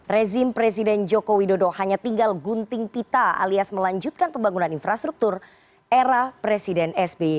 rezim presiden joko widodo hanya tinggal gunting pita alias melanjutkan pembangunan infrastruktur era presiden sby